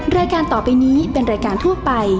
รายการต่อไปนี้เป็นรายการทั่วไป